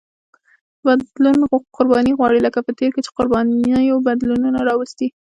بدلون قرباني غواړي لکه په تېر کې چې قربانیو بدلونونه راوستي.